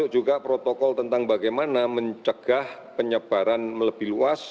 karena protokol ini dibuat bersama sama lintas kementerian